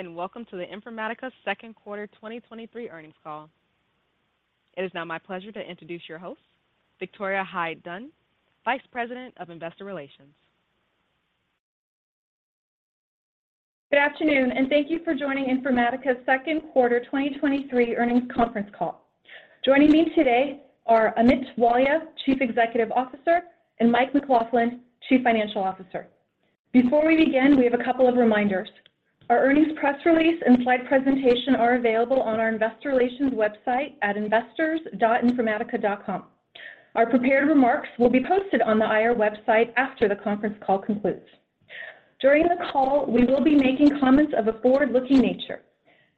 Greetings, and welcome to the Informatica Second Quarter 2023 Earnings Call. It is now my pleasure to introduce your host, Victoria Hides-Dunn, Vice President of Investor Relations. Good afternoon, and thank you for joining Informatica's Second Quarter 2023 earnings conference call. Joining me today are Amit Walia, Chief Executive Officer, and Mike McLaughlin, Chief Financial Officer. Before we begin, we have a couple of reminders. Our earnings press release and slide presentation are available on our investor relations website at investors.informatica.com. Our prepared remarks will be posted on the IR website after the conference call concludes. During the call, we will be making comments of a forward-looking nature.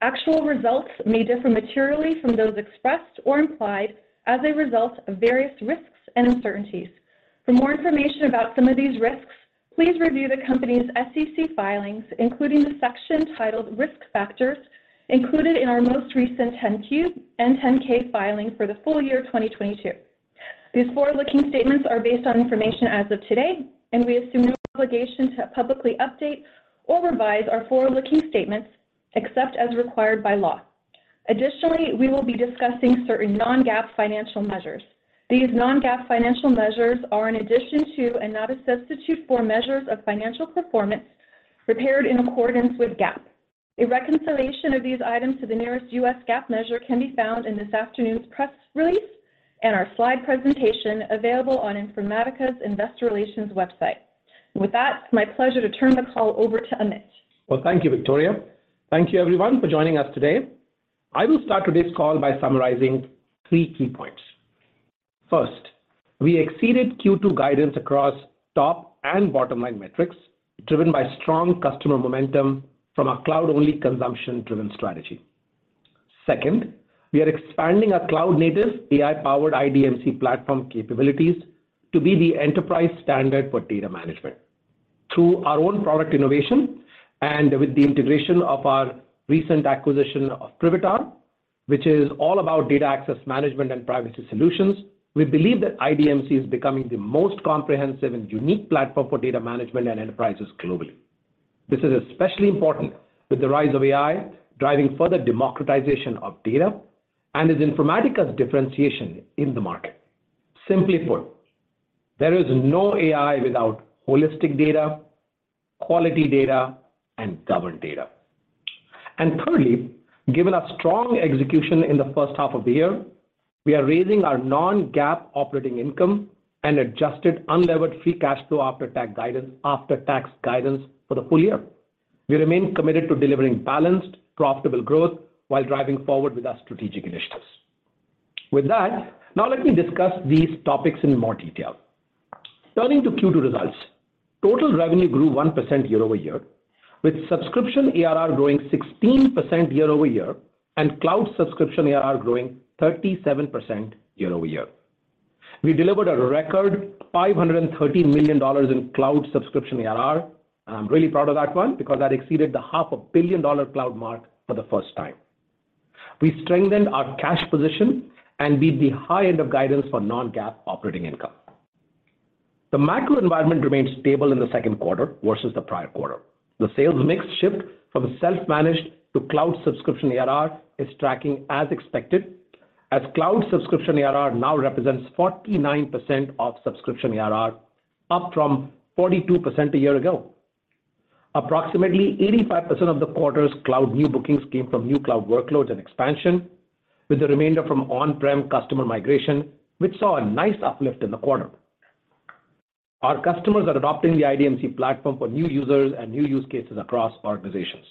Actual results may differ materially from those expressed or implied as a result of various risks and uncertainties. For more information about some of these risks, please review the company's SEC filings, including the section titled Risk Factors, included in our most recent 10-Q and 10-K filings for the full year 2022. These forward-looking statements are based on information as of today, and we assume no obligation to publicly update or revise our forward-looking statements, except as required by law. Additionally, we will be discussing certain non-GAAP financial measures. These non-GAAP financial measures are in addition to, and not a substitute for, measures of financial performance prepared in accordance with GAAP. A reconciliation of these items to the nearest U.S. GAAP measure can be found in this afternoon's press release and our slide presentation available on Informatica Investor Relations website. With that, it's my pleasure to turn the call over to Amit. Thank you, Victoria. Thank you everyone for joining us today. I will start today's call by summarizing three key points. First, we exceeded Q2 guidance across top and bottom line metrics, driven by strong customer momentum from our cloud-only consumption-driven strategy. Second, we are expanding our cloud-native, AI-powered IDMC platform capabilities to be the enterprise standard for data management. Through our own product innovation and with the integration of our recent acquisition of Privitar, which is all about data access management and privacy solutions, we believe that IDMC is becoming the most comprehensive and unique platform for data management and enterprises globally. This is especially important with the rise of AI, driving further democratization of data and is Informatica's differentiation in the market. Simply put, there is no AI without holistic data, quality data, and governed data. Thirdly, given our strong execution in the first half of the year, we are raising our non-GAAP operating income and adjusted unlevered free cash flow after tax guidance, after tax guidance for the full year. We remain committed to delivering balanced, profitable growth while driving forward with our strategic initiatives. With that, now let me discuss these topics in more detail. Turning to Q2 results, total revenue grew 1% year-over-year, with subscription ARR growing 16% year-over-year, and cloud subscription ARR growing 37% year-over-year. We delivered a record $513 million in cloud subscription ARR. I'm really proud of that one, because that exceeded the $500 million cloud mark for the first time. We strengthened our cash position and beat the high end of guidance for non-GAAP operating income. The macro environment remained stable in the second quarter versus the prior quarter. The sales mix shift from self-managed to cloud subscription ARR is tracking as expected, as cloud subscription ARR now represents 49% of subscription ARR, up from 42% a year ago. Approximately 85% of the quarter's cloud new bookings came from new cloud workloads and expansion, with the remainder from on-prem customer migration, which saw a nice uplift in the quarter. Our customers are adopting the IDMC platform for new users and new use cases across organizations.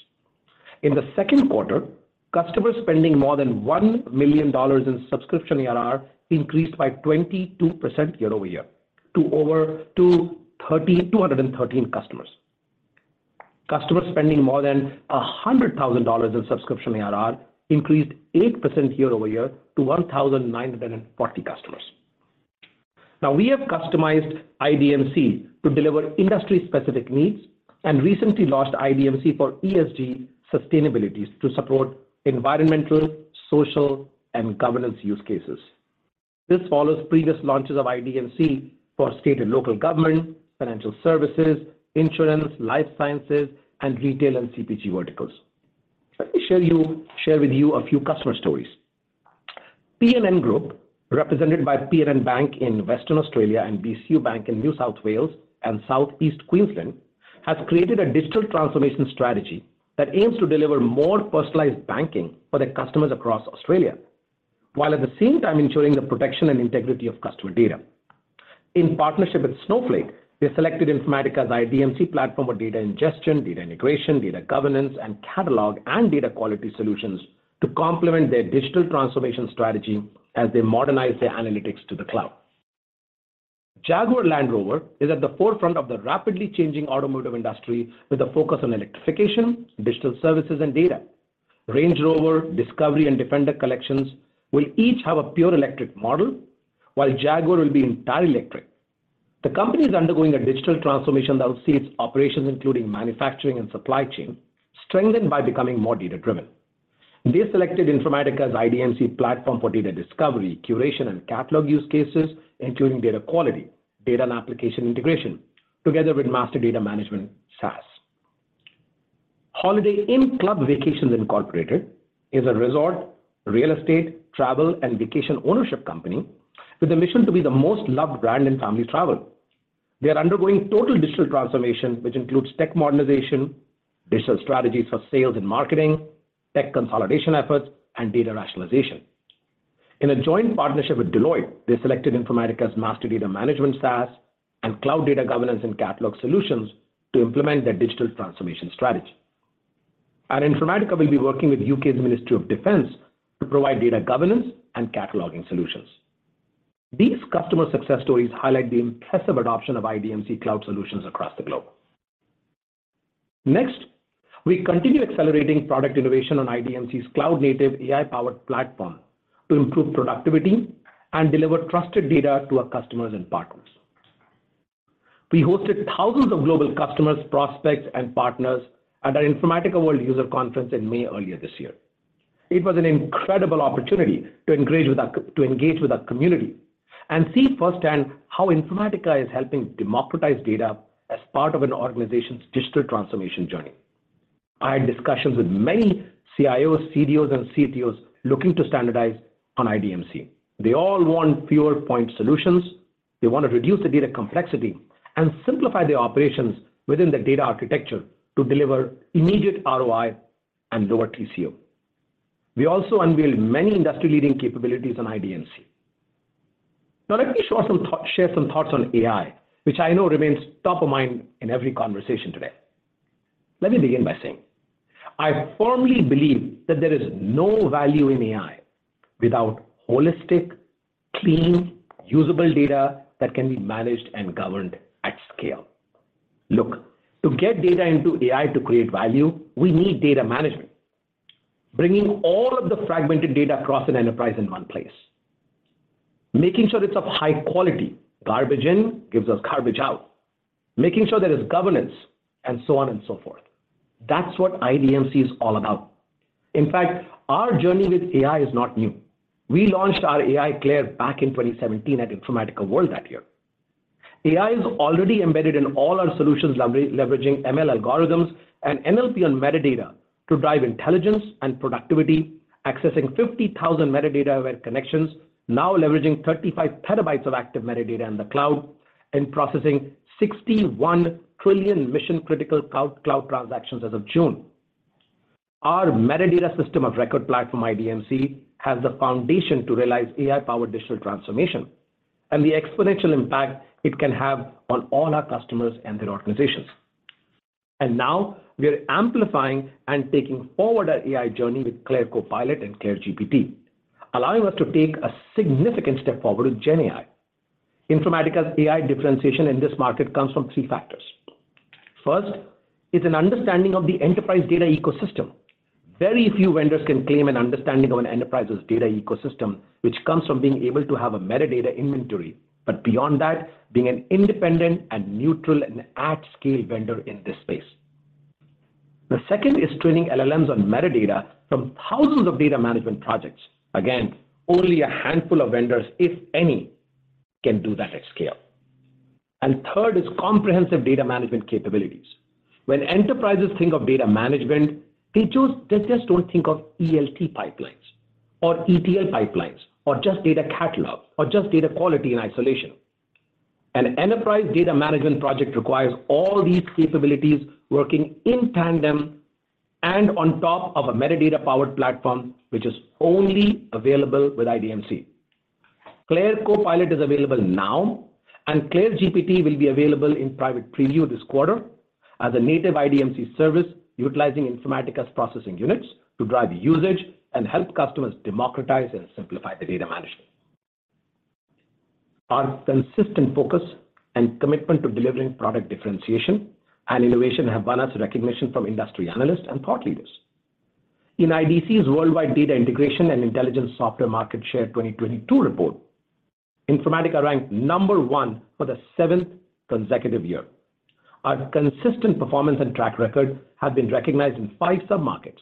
In the second quarter, customers spending more than $1 million in subscription ARR increased by 22% year-over-year to over 213 customers. Customers spending more than $100,000 in subscription ARR increased 8% year-over-year to 1,940 customers. Now, we have customized IDMC to deliver industry-specific needs and recently launched IDMC for ESG sustainability to support environmental, social, and governance use cases. This follows previous launches of IDMC for state and local government, financial services, insurance, life sciences, and retail and CPG verticals. Let me share with you a few customer stories. P&N Group, represented by P&N Bank in Western Australia and BCU Bank in New South Wales and Southeast Queensland, has created a digital transformation strategy that aims to deliver more personalized banking for their customers across Australia, while at the same time ensuring the protection and integrity of customer data. In partnership with Snowflake, they selected Informatica's IDMC platform for data ingestion, data integration, data governance, and catalog and data quality solutions to complement their digital transformation strategy as they modernize their analytics to the cloud. Jaguar Land Rover is at the forefront of the rapidly changing automotive industry with a focus on electrification, digital services, and data. Range Rover, Discovery, and Defender collections will each have a pure electric model, while Jaguar will be entirely electric. The company is undergoing a digital transformation that will see its operations, including manufacturing and supply chain, strengthened by becoming more data-driven.... They selected Informatica's IDMC platform for data discovery, curation, and catalog use cases, including data quality, data and application integration, together with master data management SaaS. Holiday Inn Club Vacations Incorporated is a resort, real estate, travel, and vacation ownership company with a mission to be the most loved brand in family travel. They are undergoing total digital transformation, which includes tech modernization, digital strategies for sales and marketing, tech consolidation efforts, and data rationalization. In a joint partnership with Deloitte, they selected Informatica's master data management SaaS and cloud data governance and catalog solutions to implement their digital transformation strategy. Informatica will be working with U.K.'s Ministry of Defence to provide data governance and cataloging solutions. These customer success stories highlight the impressive adoption of IDMC cloud solutions across the globe. Next, we continue accelerating product innovation on IDMC's cloud-native, AI-powered platform to improve productivity and deliver trusted data to our customers and partners. We hosted thousands of global customers, prospects, and partners at our Informatica World User Conference in May earlier this year. It was an incredible opportunity to engage with our community and see firsthand how Informatica is helping democratize data as part of an organization's digital transformation journey. I had discussions with many CIOs, CDOs, and CTOs looking to standardize on IDMC. They all want fewer point solutions. They want to reduce the data complexity and simplify the operations within the data architecture to deliver immediate ROI and lower TCO. We also unveiled many industry-leading capabilities on IDMC. Now, let me share some thoughts on AI, which I know remains top of mind in every conversation today. Let me begin by saying, I firmly believe that there is no value in AI without holistic, clean, usable data that can be managed and governed at scale. Look, to get data into AI to create value, we need data management, bringing all of the fragmented data across an enterprise in one place, making sure it's of high quality. Garbage in gives us garbage out. Making sure there is governance, and so on and so forth. That's what IDMC is all about. In fact, our journey with AI is not new. We launched our AI, CLAIRE, back in 2017 at Informatica World that year. AI is already embedded in all our solutions, leveraging ML algorithms and NLP on metadata to drive intelligence and productivity, accessing 50,000 metadata-aware connections, now leveraging 35 petabytes of active metadata in the cloud, and processing 61 trillion mission-critical cloud transactions as of June. Our metadata system of record platform, IDMC, has the foundation to realize AI-powered digital transformation and the exponential impact it can have on all our customers and their organizations. Now, we are amplifying and taking forward our AI journey with CLAIRE Copilot and CLAIRE GPT, allowing us to take a significant step forward with GenAI. Informatica's AI differentiation in this market comes from three factors. First, is an understanding of the enterprise data ecosystem. Very few vendors can claim an understanding of an enterprise's data ecosystem, which comes from being able to have a metadata inventory, but beyond that, being an independent and neutral and at-scale vendor in this space. The second is training LLMs on metadata from thousands of data management projects. Again, only a handful of vendors, if any, can do that at scale. Third is comprehensive data management capabilities. When enterprises think of data management, they just, they just don't think of ELT pipelines or ETL pipelines, or just data catalog, or just data quality in isolation. An enterprise data management project requires all these capabilities working in tandem and on top of a metadata-powered platform, which is only available with IDMC. CLAIRE Copilot is available now. CLAIRE GPT will be available in private preview this quarter as a native IDMC service, utilizing Informatica's processing units to drive usage and help customers democratize and simplify their data management. Our consistent focus and commitment to delivering product differentiation and innovation have won us recognition from industry analysts and thought leaders. In IDC's Worldwide Data Integration and Intelligence Software Market Share 2022 report, Informatica ranked number one for the 7th consecutive year. Our consistent performance and track record have been recognized in five sub-markets: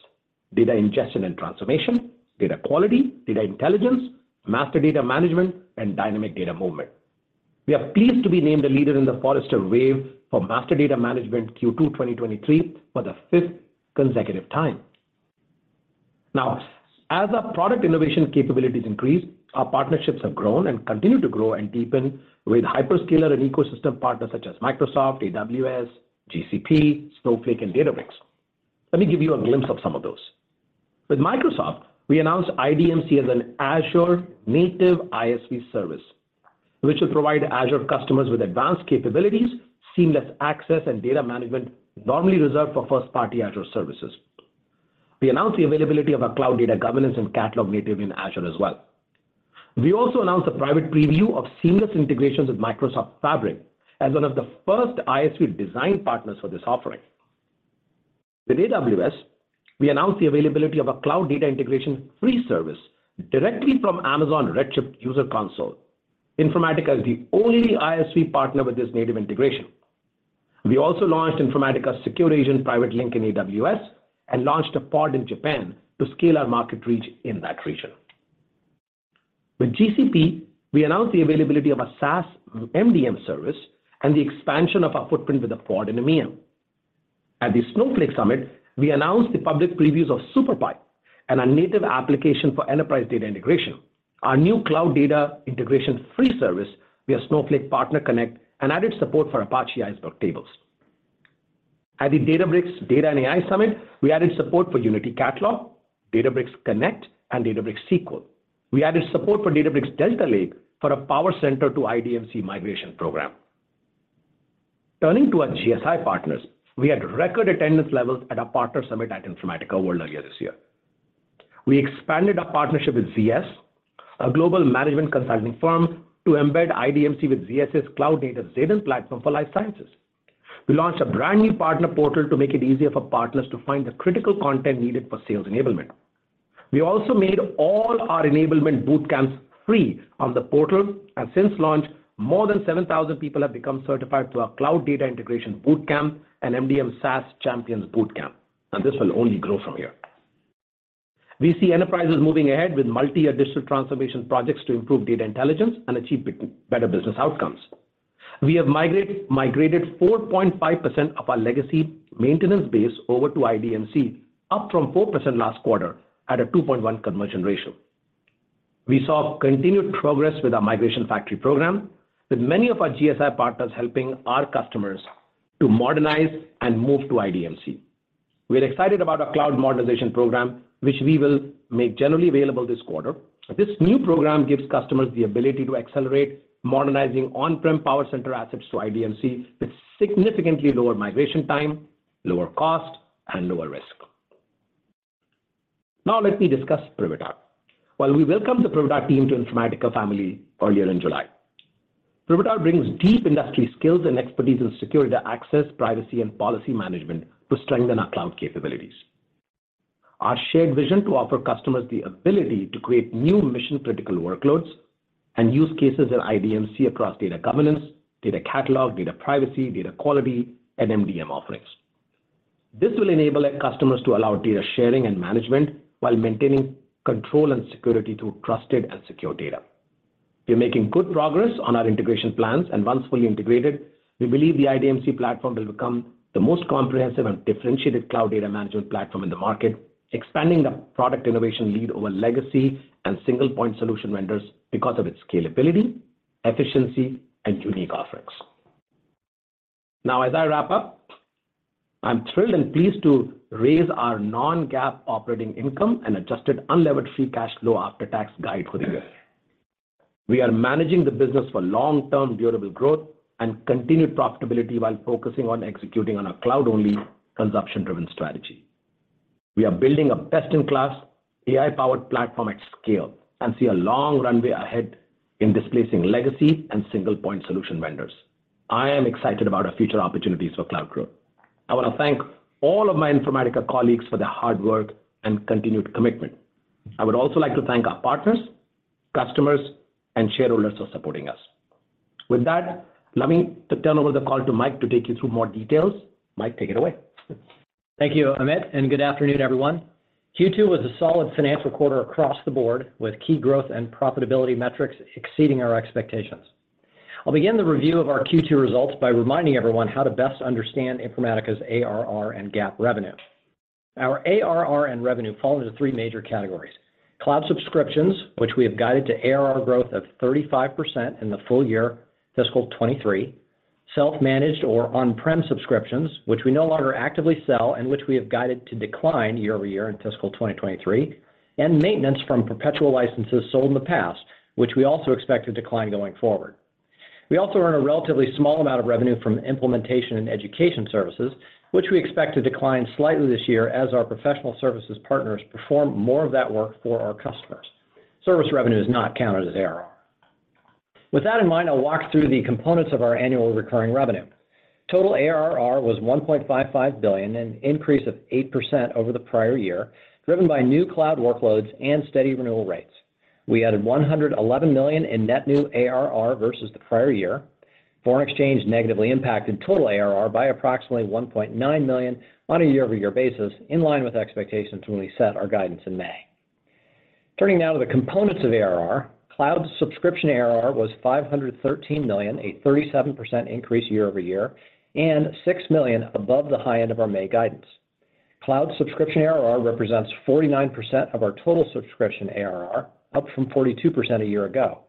data ingestion and transformation, data quality, data intelligence, master data management, and dynamic data movement. We are pleased to be named a leader in the Forrester Wave for master data management Q2 2023 for the 5th consecutive time. As our product innovation capabilities increase, our partnerships have grown and continue to grow and deepen with hyperscaler and ecosystem partners such as Microsoft, AWS, GCP, Snowflake, and Databricks. Let me give you a glimpse of some of those. With Microsoft, we announced IDMC as an Azure native ISV service, which will provide Azure customers with advanced capabilities, seamless access, and data management normally reserved for first-party Azure services. We announced the availability of our cloud data governance and catalog native in Azure as well. We also announced a private preview of seamless integrations with Microsoft Fabric as one of the first ISV design partners for this offering. With AWS, we announced the availability of a cloud data integration free service directly from Amazon Redshift user console. Informatica is the only ISV partner with this native integration. We also launched Informatica Secure Agent Private Link in AWS, and launched a pod in Japan to scale our market reach in that region. With GCP, we announced the availability of a SaaS MDM service and the expansion of our footprint with a pod in EMEA. At the Snowflake Summit, we announced the public previews of Superpipe and our native application for enterprise data integration, our new cloud data integration free service via Snowflake Partner Connect, and added support for Apache Iceberg tables. At the Databricks Data and AI Summit, we added support for Unity Catalog, Databricks Connect, and Databricks SQL. We added support for Databricks Delta Lake for a PowerCenter to IDMC migration program. Turning to our GSI partners, we had record attendance levels at our partner summit at Informatica World earlier this year. We expanded our partnership with ZS, a global management consulting firm, to embed IDMC with ZS's Cloud Data Platform for Life Sciences. We launched a brand new partner portal to make it easier for partners to find the critical content needed for sales enablement. We also made all our enablement boot camps free on the portal, and since launch, more than 7,000 people have become certified through our Cloud Data Integration Bootcamp and MDM SaaS Champions Bootcamp, and this will only grow from here. We see enterprises moving ahead with multi-additional transformation projects to improve data intelligence and achieve better business outcomes. We have migrated 4.5% of our legacy maintenance base over to IDMC, up from 4% last quarter, at a 2.1 conversion ratio. We saw continued progress with our Migration Factory program, with many of our GSI partners helping our customers to modernize and move to IDMC. We're excited about our cloud modernization program, which we will make generally available this quarter. This new program gives customers the ability to accelerate modernizing on-prem PowerCenter assets to IDMC, with significantly lower migration time, lower cost, and lower risk. Now let me discuss Privitar. While we welcomed the Privitar team to Informatica family earlier in July. Privitar brings deep industry skills and expertise in security access, privacy, and policy management to strengthen our cloud capabilities. Our shared vision to offer customers the ability to create new mission-critical workloads and use cases in IDMC across data governance, data catalog, data privacy, data quality, and MDM offerings. This will enable our customers to allow data sharing and management while maintaining control and security to trusted and secure data. We're making good progress on our integration plans. Once fully integrated, we believe the IDMC platform will become the most comprehensive and differentiated cloud data management platform in the market, expanding the product innovation lead over legacy and single-point solution vendors because of its scalability, efficiency, and unique offerings. As I wrap up, I'm thrilled and pleased to raise our non-GAAP operating income and adjusted unlevered free cash flow after-tax guide for the year. We are managing the business for long-term durable growth and continued profitability, while focusing on executing on our cloud-only, consumption-driven strategy. We are building a best-in-class, AI-powered platform at scale and see a long runway ahead in displacing legacy and single-point solution vendors. I am excited about our future opportunities for cloud growth. I want to thank all of my Informatica colleagues for their hard work and continued commitment. I would also like to thank our partners, customers, and shareholders for supporting us. With that, let me to turn over the call to Mike to take you through more details. Mike, take it away. Thank you, Amit, and good afternoon, everyone. Q2 was a solid financial quarter across the board, with key growth and profitability metrics exceeding our expectations. I'll begin the review of our Q2 results by reminding everyone how to best understand Informatica's ARR and GAAP revenue. Our ARR and revenue fall into three major categories: Cloud subscriptions, which we have guided to ARR growth of 35% in the full year, fiscal 2023. Self-managed or on-prem subscriptions, which we no longer actively sell and which we have guided to decline year-over-year in fiscal 2023, and maintenance from perpetual licenses sold in the past, which we also expect to decline going forward. We also earn a relatively small amount of revenue from implementation and education services, which we expect to decline slightly this year as our professional services partners perform more of that work for our customers. Service revenue is not counted as ARR. With that in mind, I'll walk through the components of our annual recurring revenue. Total ARR was $1.55 billion, an increase of 8% over the prior year, driven by new cloud workloads and steady renewal rates. We added $111 million in net new ARR versus the prior year. Foreign exchange negatively impacted total ARR by approximately $1.9 million on a year-over-year basis, in line with expectations when we set our guidance in May. Turning now to the components of ARR, cloud subscription ARR was $513 million, a 37% increase year-over-year, and $6 million above the high end of our May guidance. Cloud subscription ARR represents 49% of our total subscription ARR, up from 42% a year ago.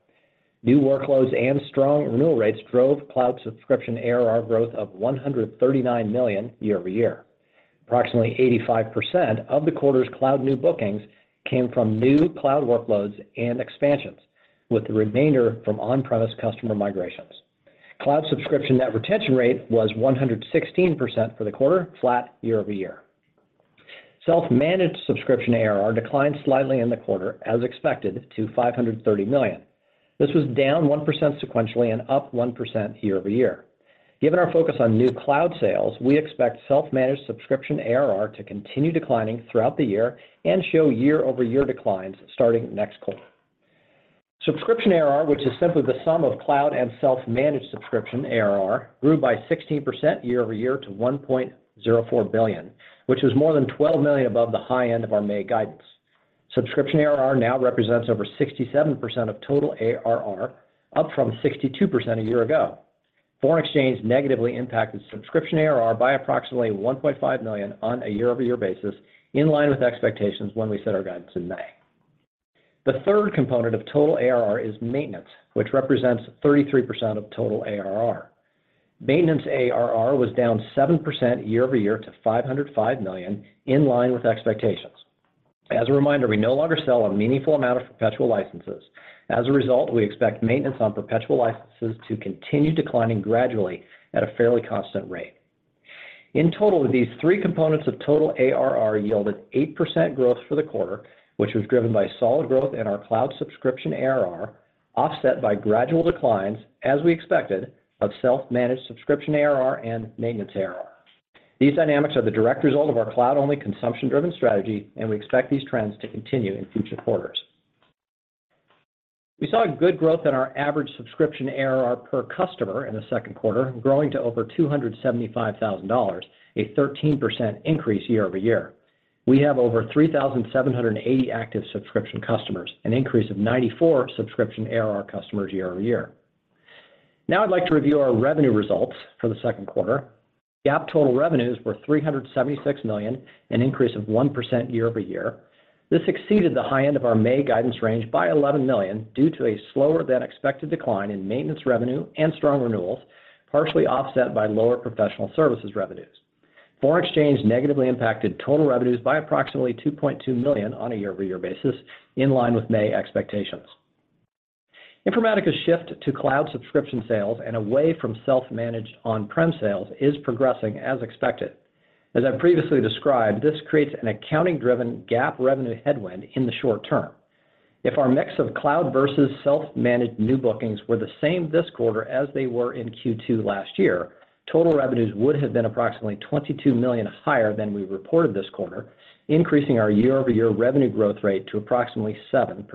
New workloads and strong renewal rates drove cloud subscription ARR growth of $139 million year-over-year. Approximately 85% of the quarter's cloud new bookings came from new cloud workloads and expansions, with the remainder from on-premise customer migrations. Cloud subscription net retention rate was 116% for the quarter, flat year-over-year. Self-managed subscription ARR declined slightly in the quarter, as expected, to $530 million. This was down 1% sequentially and up 1% year-over-year. Given our focus on new cloud sales, we expect self-managed subscription ARR to continue declining throughout the year and show year-over-year declines starting next quarter. Subscription ARR, which is simply the sum of cloud and self-managed subscription ARR, grew by 16% year-over-year to $1.04 billion, which was more than $12 million above the high end of our May guidance. Subscription ARR now represents over 67% of total ARR, up from 62% a year ago. Foreign exchange negatively impacted subscription ARR by approximately $1.5 million on a year-over-year basis, in line with expectations when we set our guidance in May. The third component of total ARR is maintenance, which represents 33% of total ARR. Maintenance ARR was down 7% year-over-year to $505 million, in line with expectations. As a reminder, we no longer sell a meaningful amount of perpetual licenses. As a result, we expect maintenance on perpetual licenses to continue declining gradually at a fairly constant rate. In total, these three components of total ARR yielded 8% growth for the quarter, which was driven by solid growth in our cloud subscription ARR, offset by gradual declines, as we expected, of self-managed subscription ARR and maintenance ARR. These dynamics are the direct result of our cloud-only, consumption-driven strategy. We expect these trends to continue in future quarters. We saw a good growth in our average subscription ARR per customer in the second quarter, growing to over $275,000, a 13% increase year-over-year. We have over 3,780 active subscription customers, an increase of 94 subscription ARR customers year-over-year. Now I'd like to review our revenue results for the second quarter. GAAP total revenues were $376 million, an increase of 1% year-over-year. This exceeded the high end of our May guidance range by $11 million due to a slower than expected decline in maintenance revenue and strong renewals, partially offset by lower professional services revenues. Foreign exchange negatively impacted total revenues by approximately $2.2 million on a year-over-year basis, in line with May expectations. Informatica's shift to cloud subscription sales and away from self-managed on-prem sales is progressing as expected. As I previously described, this creates an accounting-driven GAAP revenue headwind in the short term. If our mix of cloud versus self-managed new bookings were the same this quarter as they were in Q2 last year, total revenues would have been approximately $22 million higher than we reported this quarter, increasing our year-over-year revenue growth rate to approximately 7%.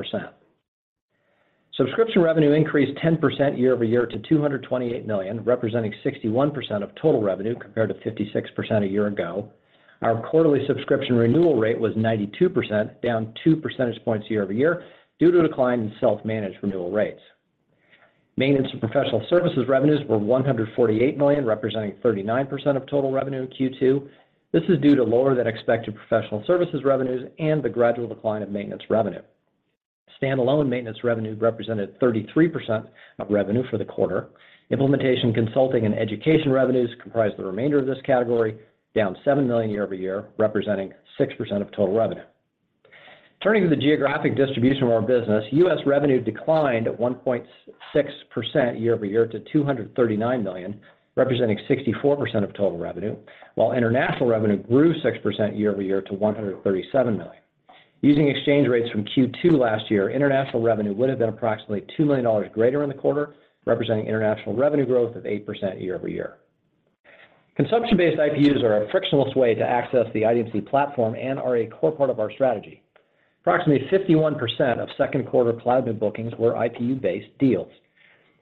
Subscription revenue increased 10% year-over-year to $228 million, representing 61% of total revenue, compared to 56% a year ago. Our quarterly subscription renewal rate was 92%, down 2 percentage points year-over-year, due to a decline in self-managed renewal rates. Maintenance and professional services revenues were $148 million, representing 39% of total revenue in Q2. This is due to lower than expected professional services revenues and the gradual decline of maintenance revenue. Standalone maintenance revenue represented 33% of revenue for the quarter. Implementation, consulting, and education revenues comprised the remainder of this category, down $7 million year-over-year, representing 6% of total revenue. Turning to the geographic distribution of our business, U.S. revenue declined at 1.6% year-over-year to $239 million, representing 64% of total revenue, while international revenue grew 6% year-over-year to $137 million. Using exchange rates from Q2 last year, international revenue would have been approximately $2 million greater in the quarter, representing international revenue growth of 8% year-over-year. Consumption-based IPUs are a frictionless way to access the IDMC platform and are a core part of our strategy. Approximately 51% of second quarter cloud new bookings were IPU-based deals.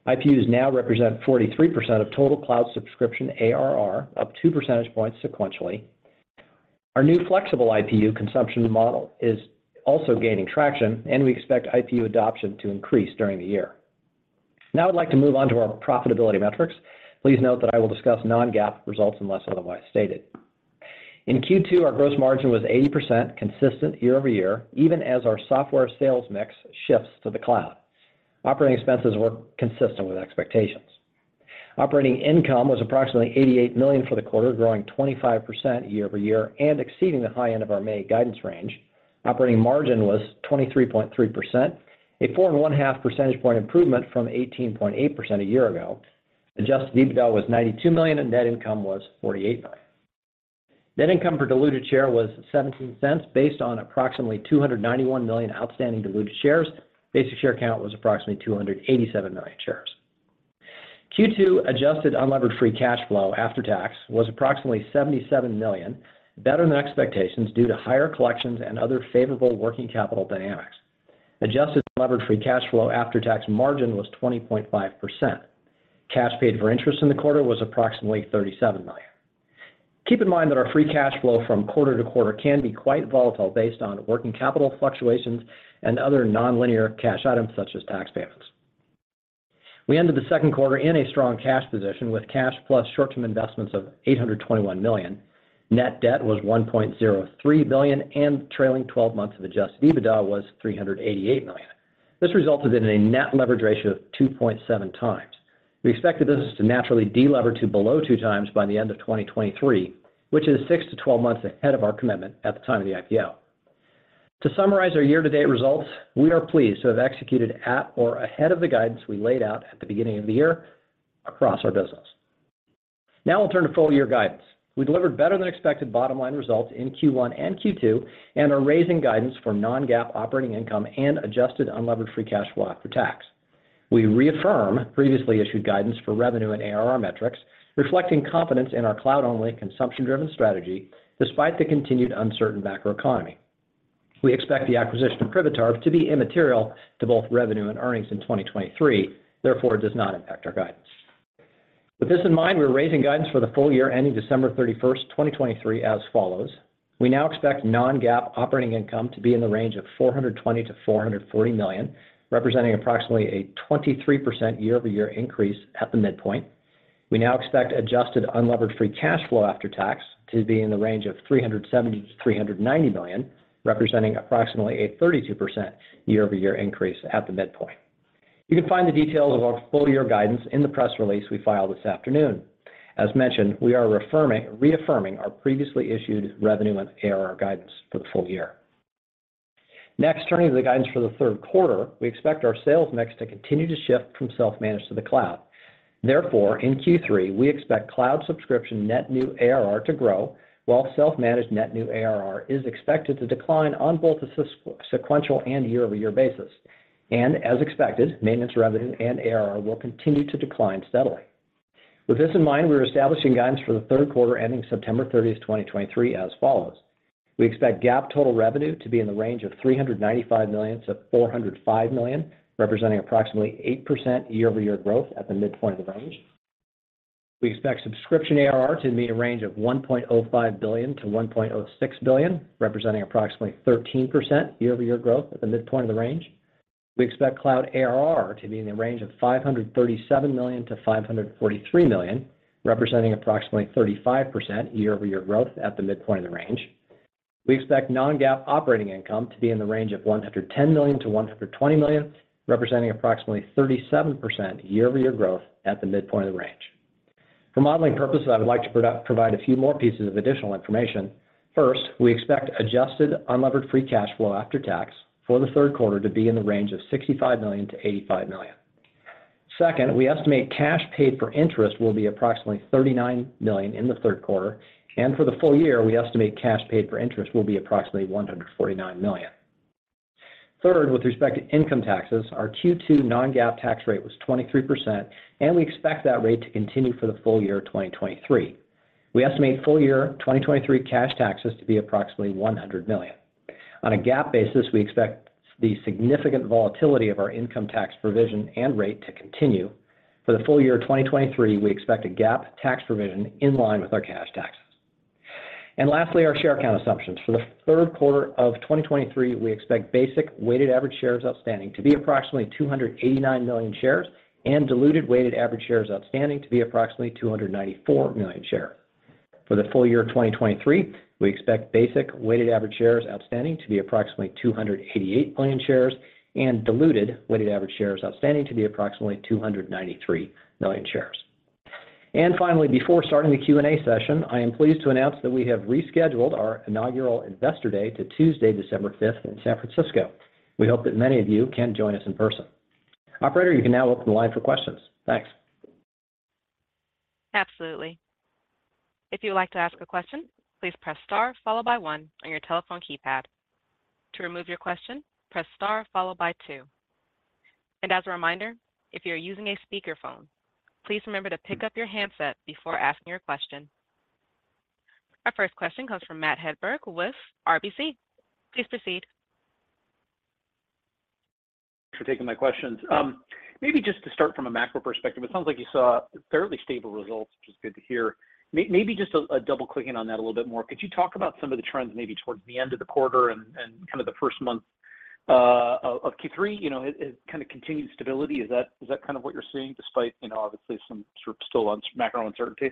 IPUs now represent 43% of total cloud subscription ARR, up 2 percentage points sequentially. Our new flexible IPU consumption model is also gaining traction, and we expect IPU adoption to increase during the year. Now I'd like to move on to our profitability metrics. Please note that I will discuss non-GAAP results unless otherwise stated. In Q2, our gross margin was 80%, consistent year-over-year, even as our software sales mix shifts to the cloud. Operating expenses were consistent with expectations. Operating income was approximately $88 million for the quarter, growing 25% year-over-year and exceeding the high end of our May guidance range. Operating margin was 23.3%, a 4.5 percentage point improvement from 18.8% a year ago. Adjusted EBITDA was $92 million, and net income was $48 million. Net income per diluted share was $0.17, based on approximately 291 million outstanding diluted shares. Basic share count was approximately 287 million shares. Q2 adjusted unlevered free cash flow after tax was approximately $77 million, better than expectations due to higher collections and other favorable working capital dynamics. Adjusted levered Free Cash Flow after tax margin was 20.5%. Cash paid for interest in the quarter was approximately $37 million. Keep in mind that our free cash flow from quarter to quarter can be quite volatile based on working capital fluctuations and other nonlinear cash items such as tax payments. We ended the second quarter in a strong cash position with cash plus short-term investments of $821 million. Net debt was $1.03 billion, and trailing 12 months of adjusted EBITDA was $388 million. This resulted in a net leverage ratio of 2.7x. We expect the business to naturally de-lever to below 2x by the end of 2023, which is 6-12 months ahead of our commitment at the time of the IPO. To summarize our year-to-date results, we are pleased to have executed at or ahead of the guidance we laid out at the beginning of the year across our business. We'll turn to full-year guidance. We delivered better than expected bottom line results in Q1 and Q2, and are raising guidance for non-GAAP operating income and adjusted unlevered free cash flow after tax. We reaffirm previously issued guidance for revenue and ARR metrics, reflecting confidence in our cloud-only consumption-driven strategy, despite the continued uncertain macroeconomy. We expect the acquisition of Privitar to be immaterial to both revenue and earnings in 2023, therefore, does not impact our guidance. With this in mind, we're raising guidance for the full year, ending December 31, 2023, as follows: We now expect non-GAAP operating income to be in the range of $420 million-$440 million, representing approximately a 23% year-over-year increase at the midpoint. We now expect adjusted unlevered free cash flow after tax to be in the range of $370 million-$390 million, representing approximately a 32% year-over-year increase at the midpoint. You can find the details of our full-year guidance in the press release we filed this afternoon. As mentioned, we are reaffirming our previously issued revenue and ARR guidance for the full year. Next, turning to the guidance for the third quarter. We expect our sales mix to continue to shift from self-managed to the cloud. Therefore, in Q3, we expect cloud subscription net new ARR to grow, while self-managed net new ARR is expected to decline on both a sequential and year-over-year basis. As expected, maintenance revenue and ARR will continue to decline steadily. With this in mind, we're establishing guidance for the third quarter, ending September 30, 2023, as follows: We expect GAAP total revenue to be in the range of $395 million-$405 million, representing approximately 8% year-over-year growth at the midpoint of the range. We expect subscription ARR to be in a range of $1.05 billion-$1.06 billion, representing approximately 13% year-over-year growth at the midpoint of the range. We expect cloud ARR to be in the range of $537 million-$543 million, representing approximately 35% year-over-year growth at the midpoint of the range. We expect non-GAAP operating income to be in the range of $110 million-$120 million, representing approximately 37% year-over-year growth at the midpoint of the range. For modeling purposes, I would like to provide a few more pieces of additional information. First, we expect adjusted unlevered free cash flow after tax for the third quarter to be in the range of $65 million-$85 million. Second, we estimate cash paid for interest will be approximately $39 million in the third quarter, and for the full year, we estimate cash paid for interest will be approximately $149 million. Third, with respect to income taxes, our Q2 non-GAAP tax rate was 23%, we expect that rate to continue for the full year 2023. We estimate full year 2023 cash taxes to be approximately $100 million. On a GAAP basis, we expect the significant volatility of our income tax provision and rate to continue. For the full year 2023, we expect a GAAP tax provision in line with our cash taxes. Lastly, our share count assumptions. For the third quarter 2023, we expect basic weighted average shares outstanding to be approximately 289 million shares, and diluted weighted average shares outstanding to be approximately 294 million shares. For the full year of 2023, we expect basic weighted average shares outstanding to be approximately 288 million shares, and diluted weighted average shares outstanding to be approximately 293 million shares. Finally, before starting the Q&A session, I am pleased to announce that we have rescheduled our inaugural Investor Day to Tuesday, December 5th, in San Francisco. We hope that many of you can join us in person. Operator, you can now open the line for questions. Thanks. Absolutely. If you would like to ask a question, please press star followed by one on your telephone keypad. To remove your question, press star followed by two. As a reminder, if you're using a speakerphone, please remember to pick up your handset before asking your question. Our first question comes from Matt Hedberg with RBC. Please proceed. Thanks for taking my questions. Maybe just to start from a macro perspective, it sounds like you saw fairly stable results, which is good to hear. Maybe just a double-clicking on that a little bit more. Could you talk about some of the trends, maybe towards the end of the quarter and, and kind of the first month of Q3? You know, kinda continued stability, is that, is that kind of what you're seeing, despite, you know, obviously some sort of still macro uncertainty?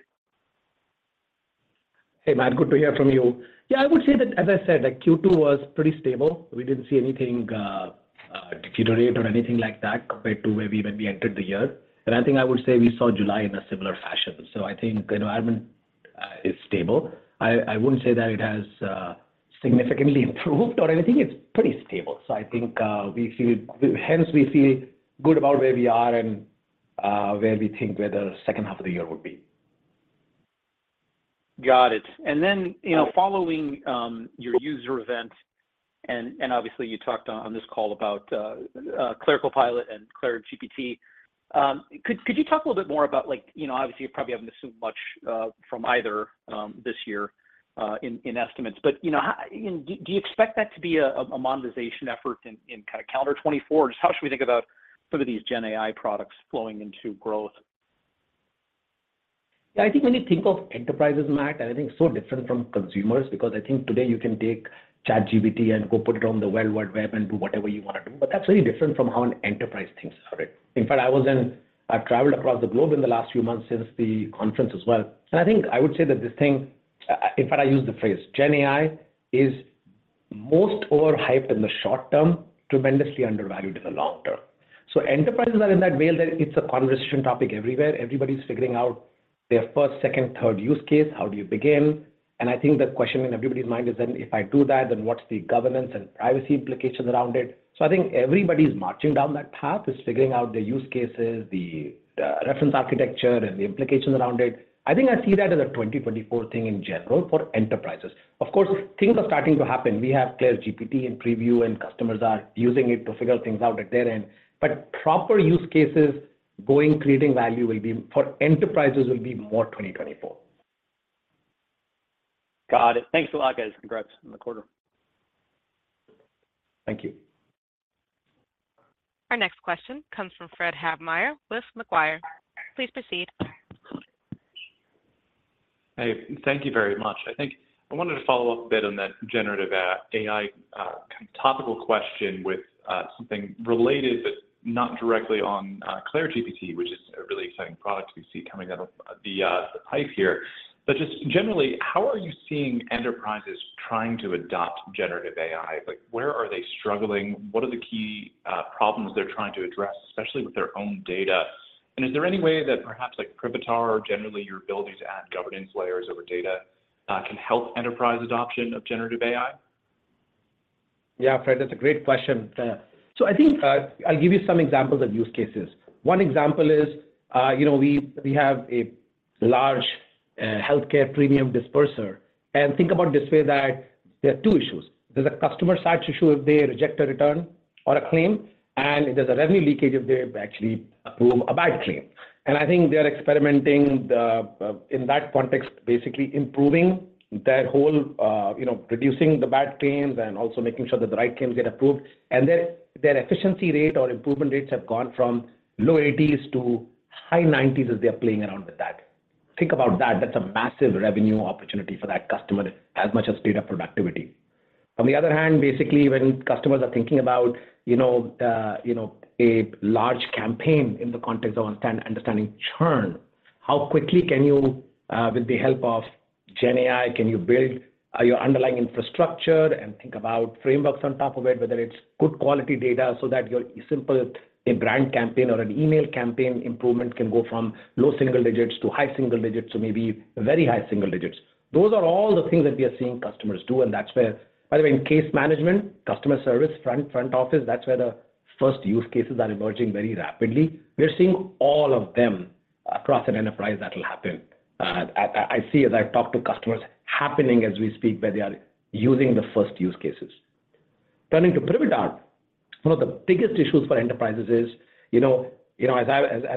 Hey, Matt. Good to hear from you. Yeah, I would say that, as I said, like, Q2 was pretty stable. We didn't see anything deteriorate or anything like that, compared to when we entered the year. I think I would say we saw July in a similar fashion. I think the environment is stable. I wouldn't say that it has significantly improved or anything. It's pretty stable. I think hence, we feel good about where we are and where we think where the second half of the year would be. Got it. You know, following your user event, and obviously, you talked on this call about CLAIRE Copilot and CLAIRE GPT, could you talk a little bit more about, like, you know, obviously, you probably haven't assumed much from either this year in estimates. You know, how... And do, do you expect that to be a monetization effort in kinda calendar 2024? Just how should we think about some of these GenAI products flowing into growth? Yeah, I think when you think of enterprises, Matt, and I think it's so different from consumers, because I think today you can take ChatGPT and go put it on the World Wide Web and do whatever you want to do, but that's very different from how an enterprise thinks about it. In fact, I've traveled across the globe in the last few months since the conference as well. I think I would say that the thing, in fact, I use the phrase, GenAI is most overhyped in the short term, tremendously undervalued in the long term. Enterprises are in that whale that it's a conversation topic everywhere. Everybody's figuring out their first, second, third use case, how do you begin? I think the question in everybody's mind is: Then if I do that, then what's the governance and privacy implications around it? I think everybody's marching down that path, is figuring out the use cases, the, the reference architecture, and the implications around it. I think I see that as a 2024 thing in general for enterprises. Of course, things are starting to happen. We have Claire GPT in preview, and customers are using it to figure things out at their end. Proper use cases going, creating value will be, for enterprises, will be more 2024. Got it. Thanks a lot, guys. Congrats on the quarter. Thank you. Our next question comes from Fred Havemeyer with Macquarie. Please proceed. Hey, thank you very much. I think I wanted to follow up a bit on that generative AI kind of topical question with something related, but not directly on CLAIRE GPT, which is a really exciting product we see coming out of the pipe here. Just generally, how are you seeing enterprises trying to adopt generative AI? Like, where are they struggling? What are the key problems they're trying to address, especially with their own data? Is there any way that perhaps, like, Privitar or generally your ability to add governance layers over data, can help enterprise adoption of generative AI? Yeah, Fred, that's a great question. So I think, I'll give you some examples of use cases. One example is, you know, we, we have a large, healthcare premium disperser. Think about it this way, that there are two issues. There's a customer side issue if they reject a return or a claim, and there's a revenue leakage if they actually approve a bad claim. I think they are experimenting, the, in that context, basically improving that whole, you know, reducing the bad claims and also making sure that the right claims get approved. Their, their efficiency rate or improvement rates have gone from low 80s to high 90s as they are playing around with that. Think about that, that's a massive revenue opportunity for that customer as much as data productivity. On the other hand, basically, when customers are thinking about, you know, the, you know, a large campaign in the context of understanding churn, how quickly can you, with the help of GenAI, can you build, your underlying infrastructure and think about frameworks on top of it, whether it's good quality data, so that your simple a brand campaign or an email campaign improvement can go from low single digits to high single digits, to maybe very high single digits? Those are all the things that we are seeing customers do, and that's where. By the way, in case management, customer service, front, front office, that's where the first use cases are emerging very rapidly. We're seeing all of them across an enterprise, that will happen. I, I, I see, as I've talked to customers, happening as we speak, where they are using the first use cases. Turning to Privitar, one of the biggest issues for enterprises is, you know, you know, as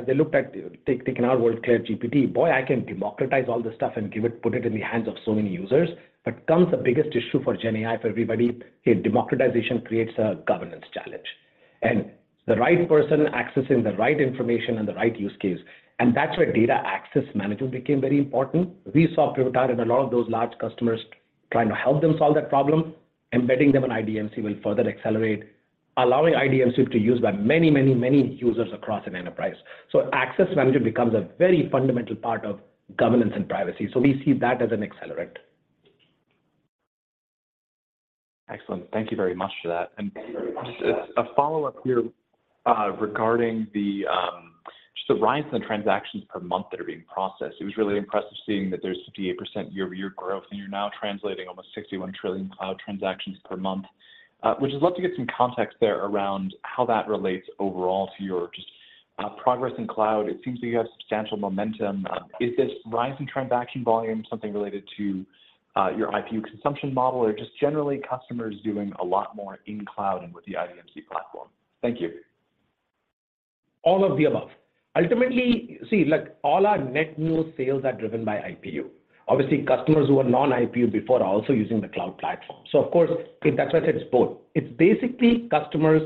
they looked at, taking our word, CLAIRE GPT, boy, I can democratize all this stuff and give it, put it in the hands of so many users. Comes the biggest issue for GenAI, for everybody, is democratization creates a governance challenge, and the right person accessing the right information and the right use case, and that's where data access management became very important. We saw Privitar and a lot of those large customers trying to help them solve that problem. Embedding them in IDMC will further accelerate, allowing IDMC to be used by many, many, many users across an enterprise. Access management becomes a very fundamental part of governance and privacy, so we see that as an accelerant. Excellent. Thank you very much for that. Just a, a follow-up here, regarding the just the rise in the transactions per month that are being processed. It was really impressive seeing that there's 58% year-over-year growth, and you're now translating almost 61 trillion cloud transactions per month. We just love to get some context there around how that relates overall to your just progress in cloud. It seems like you have substantial momentum. Is this rise in transaction volume something related to your IPU consumption model, or just generally customers doing a lot more in cloud and with the IDMC platform? Thank you. All of the above. Ultimately, see, look, all our net new sales are driven by IPU. Obviously, customers who were non-IPU before are also using the cloud platform. Of course, that's why I said it's both. It's basically customers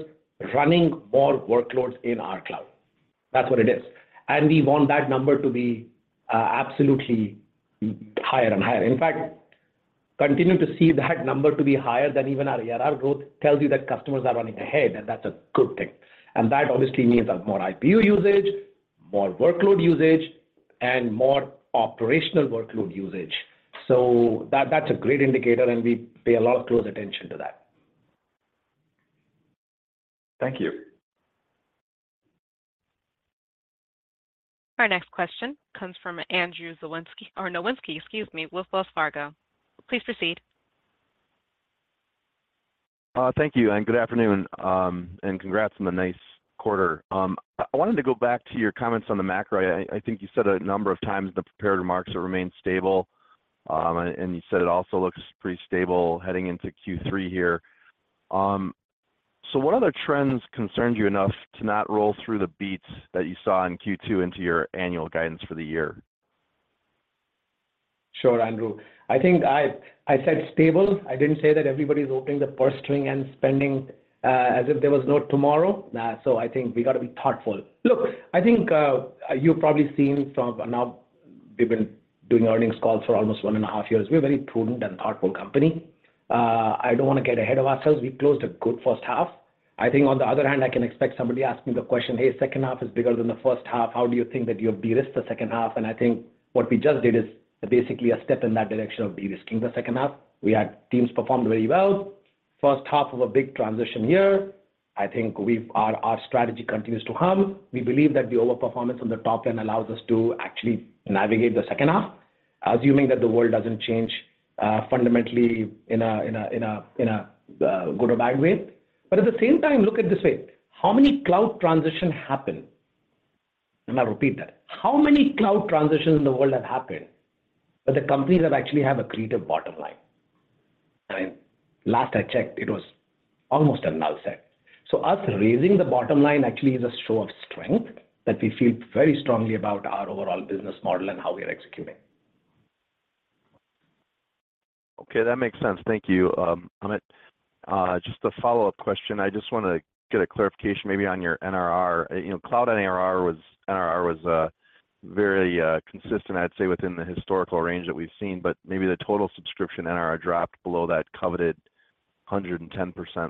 running more workloads in our cloud. That's what it is. We want that number to be absolutely higher and higher. In fact, continuing to see that number to be higher than even our year-over-year growth tells you that customers are running ahead, and that's a good thing. That obviously means that more IPU usage, more workload usage, and more operational workload usage. That's a great indicator, and we pay a lot of close attention to that. Thank you. Our next question comes from Andrew Nowinski, or Nowinski, excuse me, with Wells Fargo. Please proceed. Thank you, and good afternoon, and congrats on the nice quarter. I wanted to go back to your comments on the macro. I think you said a number of times in the prepared remarks it remains stable, and you said it also looks pretty stable heading into Q3 here. What other trends concerned you enough to not roll through the beats that you saw in Q2 into your annual guidance for the year? Sure, Andrew. I think I said stable. I didn't say that everybody's opening the purse string and spending as if there was no tomorrow. Nah, I think we got to be thoughtful. Look, I think you've probably seen some of... We've been doing earnings calls for almost 1.5 years. We're a very prudent and thoughtful company. I don't wanna get ahead of ourselves. We've closed a good first half. I think on the other hand, I can expect somebody to ask me the question: "Hey, second half is bigger than the first half. How do you think that you'll de-risk the second half?" I think what we just did is basically a step in that direction of de-risking the second half. We had teams performed very well. First half of a big transition year, I think we've our strategy continues to hum. We believe that the overperformance on the top end allows us to actually navigate the second half, assuming that the world doesn't change fundamentally in a good or bad way. At the same time, look at it this way: How many cloud transition happened? Let me repeat that. How many cloud transitions in the world have happened, but the companies that actually have accretive bottom line? I mean, last I checked, it was almost a null set. Us raising the bottom line actually is a show of strength, that we feel very strongly about our overall business model and how we are executing. Okay, that makes sense. Thank you, Amit. Just a follow-up question. I just wanna get a clarification maybe on your NRR. You know, cloud NRR was, NRR was very consistent, I'd say, within the historical range that we've seen, but maybe the total subscription NRR dropped below that coveted 110%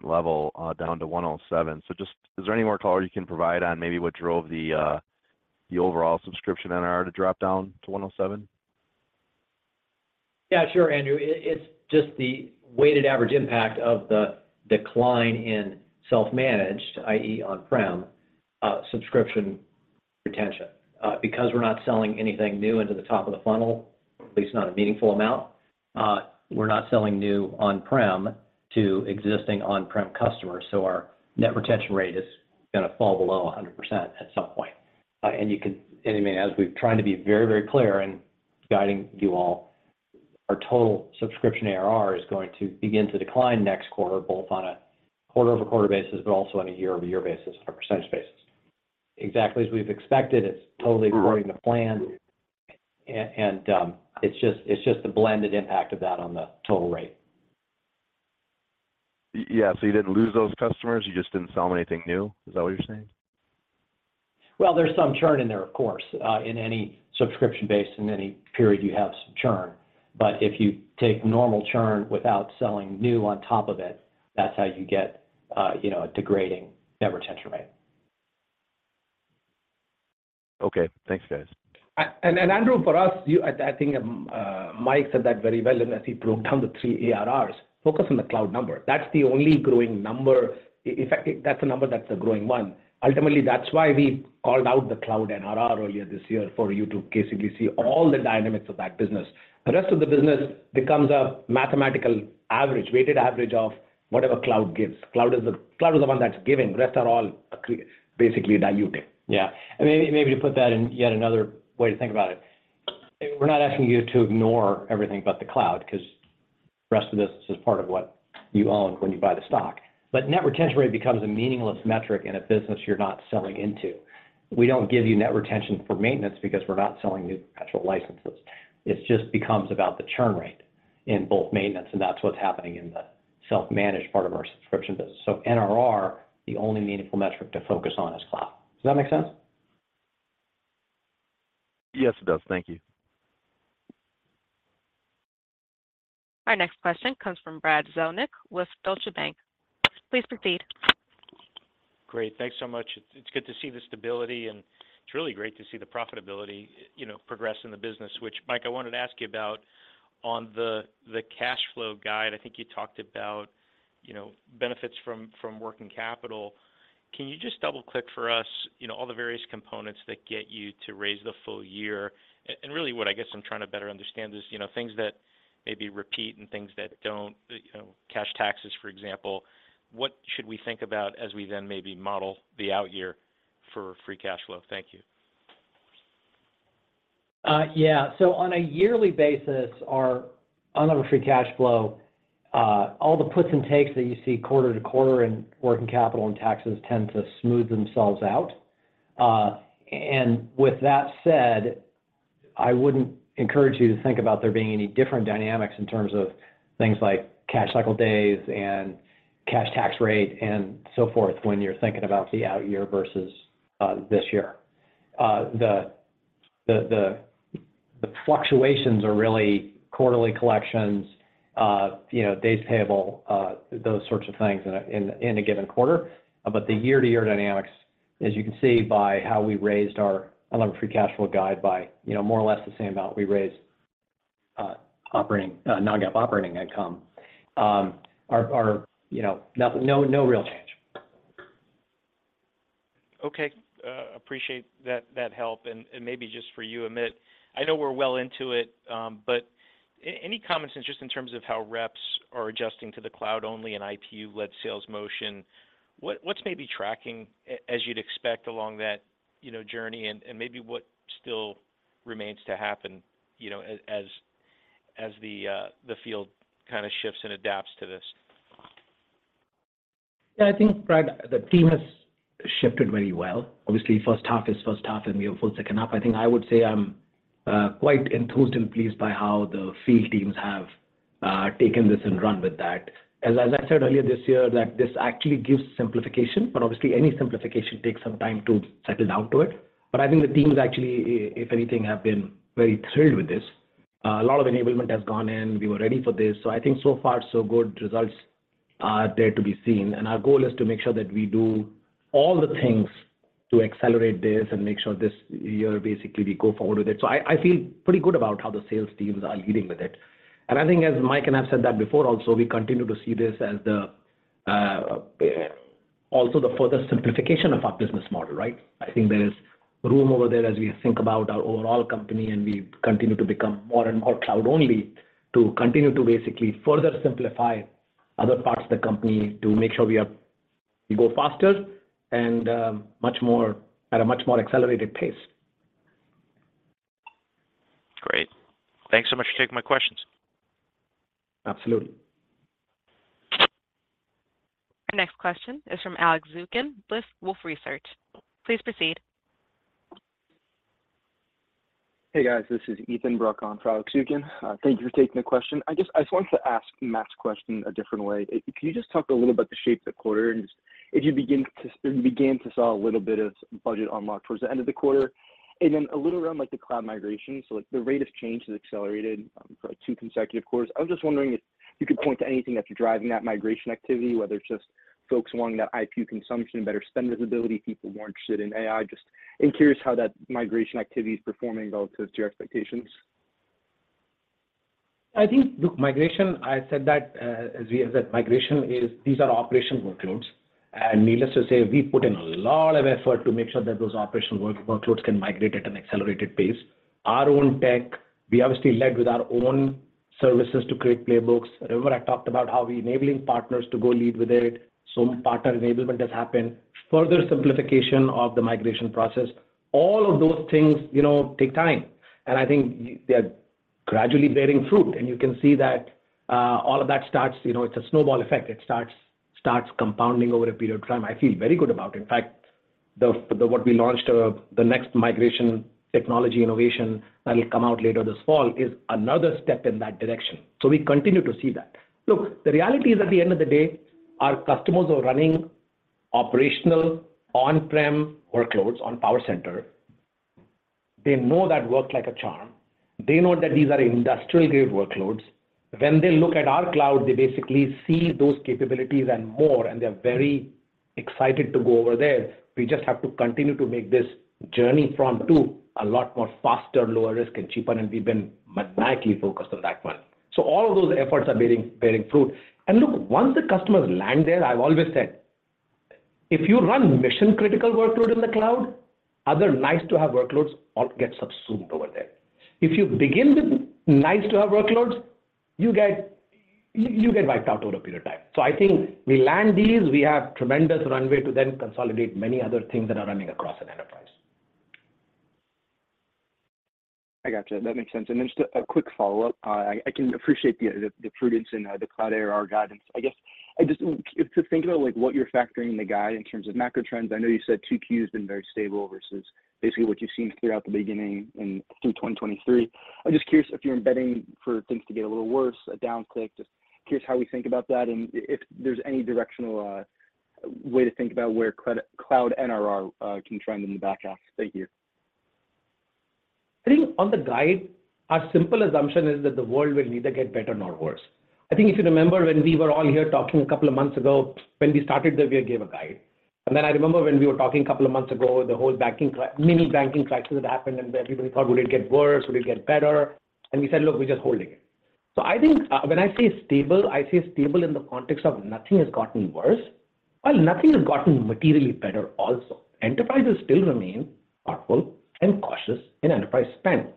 level, down to 107. Just, is there any more color you can provide on maybe what drove the overall subscription NRR to drop down to 107? Yeah, sure, Andrew. It, it's just the weighted average impact of the decline in self-managed, i.e., on-prem, subscription retention. We're not selling anything new into the top of the funnel, at least not a meaningful amount, we're not selling new on-prem to existing on-prem customers, so our net retention rate is gonna fall below 100% at some point. I mean, as we've tried to be very, very clear in guiding you all, our total subscription ARR is going to begin to decline next quarter, both on a quarter-over-quarter basis, but also on a year-over-year basis, on a percentage basis. Exactly as we've expected, it's totally according to plan. It's just, it's just a blended impact of that on the total rate. Yeah, you didn't lose those customers, you just didn't sell them anything new? Is that what you're saying? Well, there's some churn in there, of course. In any subscription base, in any period, you have some churn, but if you take normal churn without selling new on top of it, that's how you get, you know, a degrading net retention rate. Okay. Thanks, guys. Andrew, for us, I think Mike said that very well as he broke down the three ARRs. Focus on the cloud number, that's the only growing number. In fact, that's a number that's a growing one. Ultimately, that's why we called out the cloud NRR earlier this year for you to basically see all the dynamics of that business. The rest of the business becomes a mathematical average, weighted average of whatever cloud gives. Cloud is the... Cloud is the one that's giving, the rest are all basically diluting. Yeah. Maybe, maybe to put that in yet another way to think about it. We're not asking you to ignore everything but the cloud, 'cause the rest of this is part of what you own when you buy the stock. Net retention rate becomes a meaningless metric in a business you're not selling into. We don't give you net retention for maintenance because we're not selling new perpetual licenses. It just becomes about the churn rate in both maintenance, and that's what's happening in the self-managed part of our subscription business. NRR, the only meaningful metric to focus on is cloud. Does that make sense? Yes, it does. Thank you. Our next question comes from Brad Zelnick with Deutsche Bank. Please proceed. Great. Thanks so much. It's, it's good to see the stability, it's really great to see the profitability, you know, progress in the business, which, Mike, I wanted to ask you about. On the, the cash flow guide, I think you talked about, you know, benefits from, from working capital. Can you just double-click for us, you know, all the various components that get you to raise the full year? Really, what I guess I'm trying to better understand is, you know, things that maybe repeat and things that don't, you know, cash taxes, for example. What should we think about as we maybe model the out year for free cash flow? Thank you. Yeah. On a yearly basis, our unlevered free cash flow, all the puts and takes that you see quarter-to-quarter in working capital and taxes tend to smooth themselves out. With that said, I wouldn't encourage you to think about there being any different dynamics in terms of things like cash cycle days and cash tax rate, and so forth, when you're thinking about the out year versus this year. The fluctuations are really quarterly collections, you know, days payable, those sorts of things in a, in, in a given quarter. The year-to-year dynamics, as you can see by how we raised our unlevered free cash flow guide by, you know, more or less the same amount we raised, operating, non-GAAP operating income. Our, our, you know, no, no real change. Okay. Appreciate that, that help. Maybe just for you, Amit, I know we're well into it, but any comments just in terms of how reps are adjusting to the cloud-only and IPU-led sales motion? What's maybe tracking as you'd expect along that, you know, journey, and maybe what still remains to happen, you know, as the field kind of shifts and adapts to this? Yeah, I think, Brad, the team has shifted very well. Obviously, first half is first half, and we have full second half. I think I would say I'm quite enthused and pleased by how the field teams have taken this and run with that. As, as I said earlier this year, that this actually gives simplification, but obviously any simplification takes some time to settle down to it. I think the teams actually, if anything, have been very thrilled with this. A lot of enablement has gone in. We were ready for this, so I think so far, so good, results are there to be seen. Our goal is to make sure that we do all the things to accelerate this and make sure this year, basically, we go forward with it. I, I feel pretty good about how the sales teams are leading with it. I think, as Mike and I have said that before also, we continue to see this as the also the further simplification of our business model, right? I think there is room over there as we think about our overall company, and we continue to become more and more cloud-only, to continue to basically further simplify other parts of the company to make sure we go faster and much more... at a much more accelerated pace. Great. Thanks so much for taking my questions. Absolutely. Our next question is from Alex Zukin with Wolfe Research. Please proceed. Hey, guys. This is Ethan Bruck on Alex Zukin. Thank you for taking the question. I just wanted to ask Matt's question a different way. Can you just talk a little about the shape of the quarter, and if you begin to, begin to saw a little bit of budget unlock towards the end of the quarter? Then a little around, like, the cloud migration. Like, the rate of change has accelerated for two consecutive quarters. I was just wondering if you could point to anything that's driving that migration activity, whether it's just folks wanting that IP consumption, better spend visibility, people more interested in AI. Just, I'm curious how that migration activity is performing relative to your expectations. I think, look, migration, I said that, as we have said, migration is... These are operational workloads. Needless to say, we put in a lot of effort to make sure that those operational workloads can migrate at an accelerated pace. Our own tech, we obviously led with our own services to create playbooks. Remember I talked about how we're enabling partners to go lead with it, some partner enablement has happened, further simplification of the migration process. All of those things, you know, take time, and I think they are gradually bearing fruit. You can see that, all of that starts... You know, it's a snowball effect. It starts, starts compounding over a period of time. I feel very good about it. In fact, the what we launched, the next migration technology innovation that will come out later this fall, is another step in that direction. We continue to see that. Look, the reality is, at the end of the day, our customers are running operational, on-prem workloads on PowerCenter. They know that worked like a charm. They know that these are industrial-grade workloads. When they look at our cloud, they basically see those capabilities and more, and they're very excited to go over there. We just have to continue to make this journey from, to, a lot more faster, lower risk, and cheaper, and we've been maniacally focused on that one. All of those efforts are bearing, bearing fruit. Look, once the customers land there, I've always said, "If you run mission-critical workload in the cloud, other nice-to-have workloads all get subsumed over there. If you begin with nice-to-have workloads, you get, you, you get wiped out over a period of time." I think we land these, we have tremendous runway to then consolidate many other things that are running across an enterprise. I got you. That makes sense. Then just a quick follow-up. I can appreciate the prudence in the cloud ARR guidance. I guess, I just to think about, like, what you're factoring in the guide in terms of macro trends, I know you said 2Q has been very stable versus basically what you've seen throughout the beginning through 2023. I'm just curious if you're embedding for things to get a little worse, a down click? Just curious how we think about that, and if there's any directional way to think about where cloud NRR can trend in the back half? Thank you. I think on the guide, our simple assumption is that the world will neither get better nor worse. I think if you remember when we were all here talking a couple of months ago, when we started the year, we gave a guide. I remember when we were talking a couple of months ago, the whole banking mini banking crisis that happened, and where people thought, "Will it get worse? Will it get better?" We said, "Look, we're just holding it." I think, when I say stable, I say stable in the context of nothing has gotten worse, but nothing has gotten materially better also. Enterprises still remain thoughtful and cautious in enterprise spend.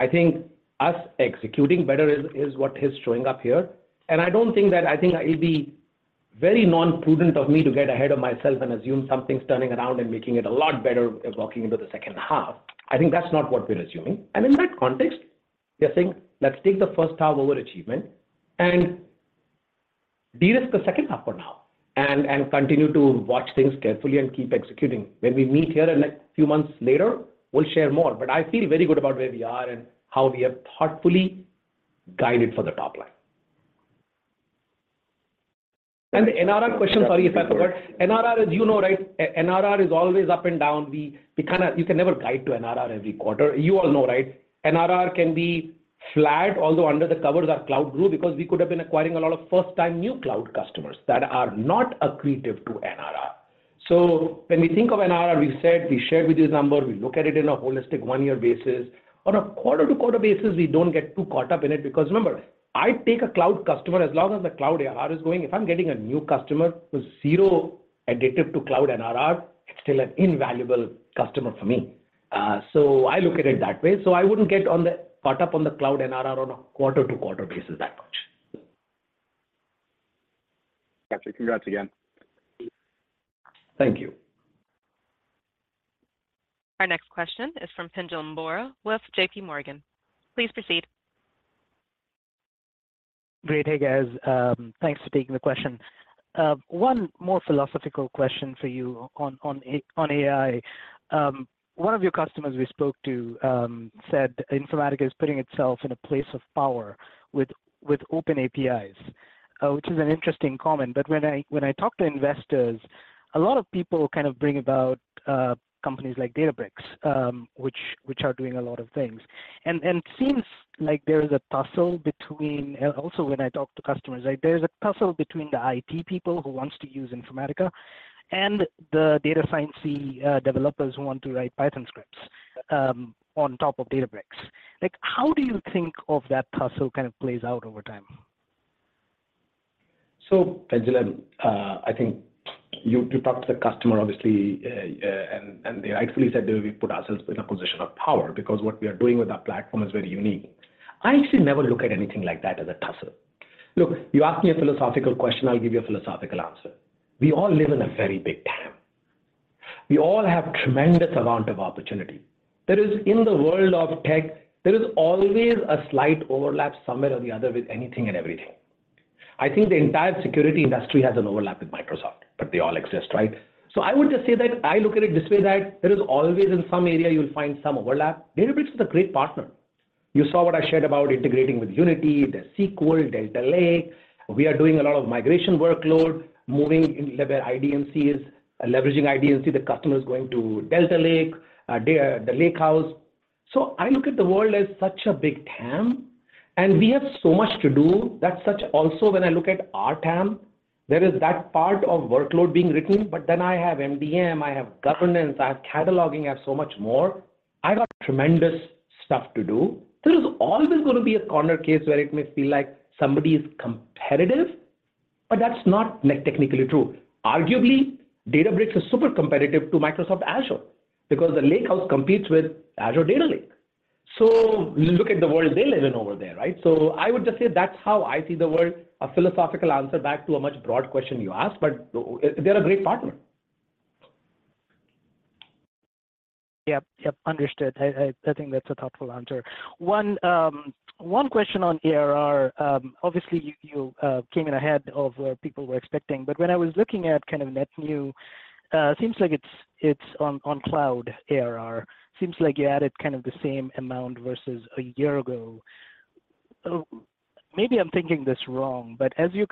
I think us executing better is, is what is showing up here, and I don't think that. I think it'd be very non-prudent of me to get ahead of myself and assume something's turning around and making it a lot better walking into the second half. I think that's not what we're assuming. In that context, we are saying, let's take the first half over achievement and de-risk the second half for now, and continue to watch things carefully and keep executing. When we meet here in a few months later, we'll share more, but I feel very good about where we are and how we have thoughtfully guided for the top line. NRR question, sorry, but NRR, as you know, right, NRR is always up and down. We kind of. You can never guide to NRR every quarter. You all know, right? NRR can be flat, although under the covers, our cloud grew, because we could have been acquiring a lot of first-time new cloud customers that are not accretive to NRR. When we think of NRR, we said we shared with you this number, we look at it in a holistic one-year basis. On a quarter-to-quarter basis, we don't get too caught up in it because remember, I take a cloud customer, as long as the cloud ARR is going, if I'm getting a new customer who's zero accretive to cloud NRR, it's still an invaluable customer for me. I look at it that way. I wouldn't get caught up on the cloud NRR on a quarter-to-quarter basis that much. Got you. Congrats again. Thank you. Our next question is from Pinjalim Bora with JPMorgan. Please proceed. Great. Hey, guys. Thanks for taking the question. One more philosophical question for you on, on, on AI. One of your customers we spoke to, said Informatica is putting itself in a place of power with, with open APIs, which is an interesting comment. When I, when I talk to investors, a lot of people kind of bring about, companies like Databricks, which, which are doing a lot of things. And it seems like there is a tussle between... also, when I talk to customers, like, there's a tussle between the IT people who wants to use Informatica, and the data science-y, developers who want to write Python scripts, on top of Databricks. Like, how do you think of that tussle kind of plays out over time? Pinjalim, I think you, you talked to the customer, obviously, and they rightly said that we put ourselves in a position of power because what we are doing with our platform is very unique. I actually never look at anything like that as a tussle. Look, you asked me a philosophical question, I'll give you a philosophical answer. We all live in a very big town. We all have tremendous amount of opportunity. There is, in the world of tech, there is always a slight overlap somewhere or the other with anything and everything. I think the entire security industry has an overlap with Microsoft, but they all exist, right? I would just say that I look at it this way, that there is always in some area you'll find some overlap. Databricks is a great partner. You saw what I shared about integrating with Unity, the SQL, Delta Lake. We are doing a lot of migration workload, moving into the IDMCs, leveraging IDMC, the customers going to Delta Lake, the, the Lakehouse. I look at the world as such a big TAM, and we have so much to do. That such also, when I look at our TAM, there is that part of workload being written, but then I have MDM, I have governance, I have cataloging, I have so much more. I got tremendous stuff to do. There is always gonna be a corner case where it may feel like somebody is competitive, but that's not technically true. Arguably, Databricks is super competitive to Microsoft Azure because the Lakehouse competes with Azure Data Lake. Look at the world they live in over there, right? I would just say that's how I see the world, a philosophical answer back to a much broad question you asked, but they're a great partner. Yep. Yep, understood. I think that's a thoughtful answer. One, one question on ARR. Obviously, you came in ahead of where people were expecting, but when I was looking at kind of net new, seems like it's on cloud ARR. Seems like you added kind of the same amount versus a year ago. Maybe I'm thinking this wrong, but as you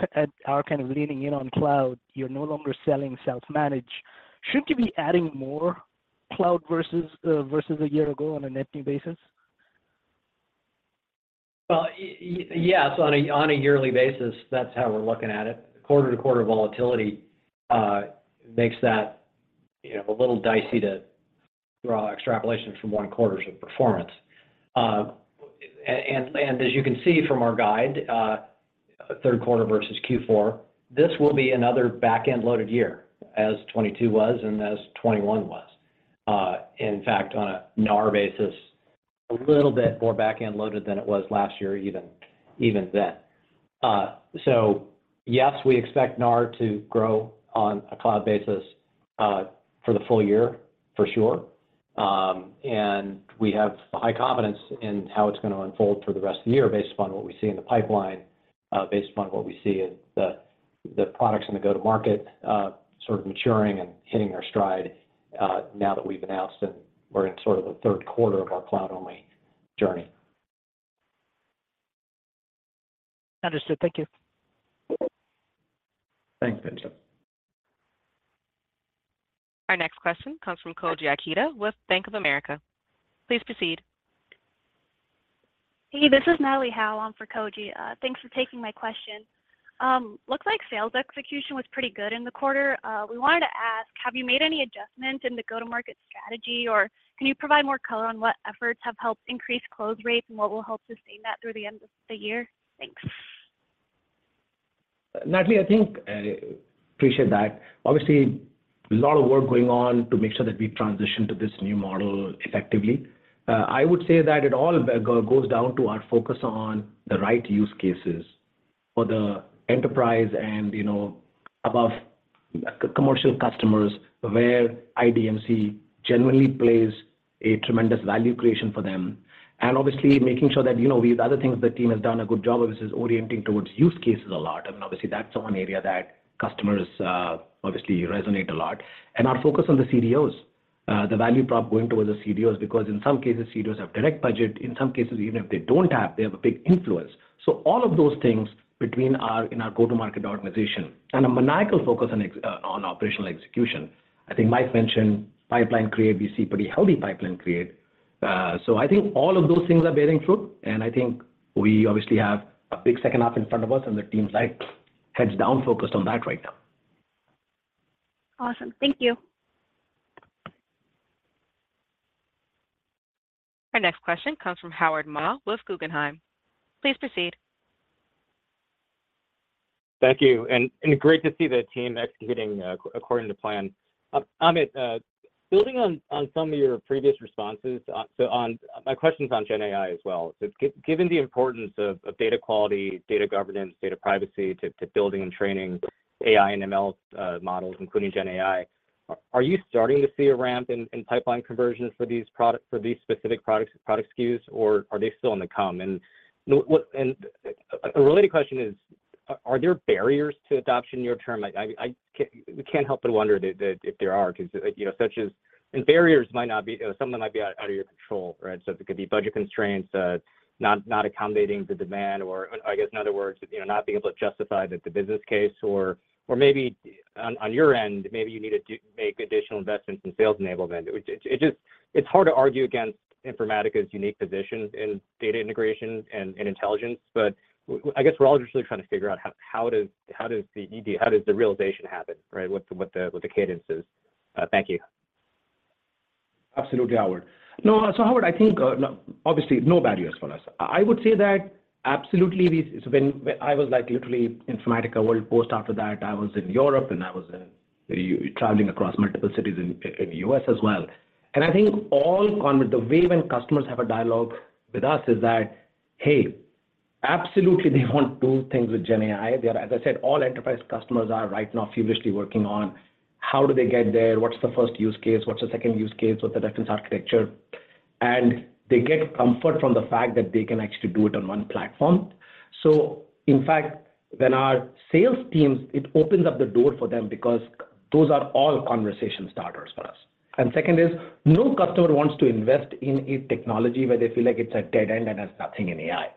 are kind of leaning in on cloud, you're no longer selling self-manage. Shouldn't you be adding more cloud versus versus a year ago on a net new basis? Well, yes, on a yearly basis, that's how we're looking at it. Quarter-to-quarter volatility makes that, you know, a little dicey to draw extrapolations from one quarter's performance. As you can see from our guide, third quarter versus Q4, this will be another back-end loaded year, as 2022 was and as 2021 was. In fact, on a NAR basis, a little bit more back-end loaded than it was last year, even then. Yes, we expect NAR to grow on a cloud basis for the full year, for sure. We have high confidence in how it's gonna unfold for the rest of the year based upon what we see in the pipeline, based upon what we see in the, the products in the go-to-market, sort of maturing and hitting their stride, now that we've announced and we're in sort of the third quarter of our cloud-only journey. Understood. Thank you. Thanks, Vincent. Our next question comes from Koji Ikeda with Bank of America. Please proceed. Hey, this is Natalie Howe on for Koji. Thanks for taking my question. Looks like sales execution was pretty good in the quarter. We wanted to ask, have you made any adjustments in the go-to-market strategy, or can you provide more color on what efforts have helped increase close rates, and what will help sustain that through the end of the year? Thanks. Natalie, I think, appreciate that. A lot of work going on to make sure that we transition to this new model effectively. I would say that it all goes down to our focus on the right use cases for the enterprise and, you know, above commercial customers, where IDMC generally plays a tremendous value creation for them. Obviously, making sure that, you know, these other things the team has done a good job of is, is orienting towards use cases a lot, and obviously, that's one area that customers obviously resonate a lot. Our focus on the CDOs, the value prop going towards the CDOs, because in some cases, CDOs have direct budget. In some cases, even if they don't have, they have a big influence. All of those things between our, in our go-to-market organization, and a maniacal focus on operational execution. I think Mike mentioned pipeline create. We see pretty healthy pipeline create. I think all of those things are bearing fruit, and I think we obviously have a big second half in front of us, and the team's like heads down, focused on that right now. Awesome. Thank you. Our next question comes from Howard Ma with Guggenheim. Please proceed. Thank you, and great to see the team executing according to plan. Amit, building on some of your previous responses. My question's on GenAI as well. Given the importance of data quality, data governance, data privacy to building and training AI and ML models, including GenAI, are you starting to see a ramp in pipeline conversions for these specific products, product SKUs, or are they still on the come? What a related question is, are there barriers to adoption near term? We can't help but wonder that if there are, 'cause, you know, such as... Barriers might not be, some of them might be out, out of your control, right? It could be budget constraints, not, not accommodating the demand, or I guess in other words, you know, not being able to justify the business case or, or maybe on your end, maybe you need to make additional investments in sales enablement. It's hard to argue against Informatica's unique position in data integration and, and intelligence, I guess we're all just really trying to figure out how, how does, how does the ED, how does the realization happen, right? What the, what the, what the cadence is? Thank you. Absolutely, Howard. No, Howard, I think, obviously, no barriers for us. I would say that absolutely this is. I was like literally Informatica World, post after that, I was in Europe, and I was in traveling across multiple cities in, in U.S. as well. I think all on the way when customers have a dialogue with us is that, "Hey, absolutely, they want to do things with GenAI. They are, as I said, all enterprise customers are right now feverishly working on how do they get there? What's the first use case? What's the second use case? What's the reference architecture? They get comfort from the fact that they can actually do it on one platform. In fact, when our sales teams, it opens up the door for them because those are all conversation starters for us. Second is, no customer wants to invest in a technology where they feel like it's a dead end and has nothing in AI.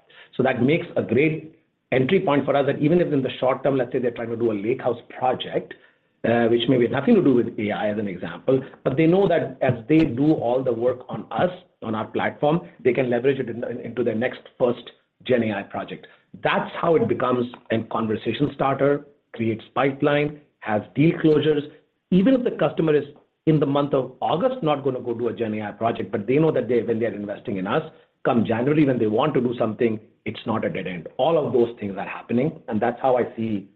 That makes a great entry point for us, that even if in the short term, let's say, they're trying to do a lake house project, which may be nothing to do with AI as an example, but they know that as they do all the work on us, on our platform, they can leverage it into their next first GenAI project. That's how it becomes a conversation starter, creates pipeline, has deal closures. Even if the customer is in the month of August, not gonna go do a GenAI project, but they know that they, when they are investing in us, come January, when they want to do something, it's not a dead end. All of those things are happening, and that's how I see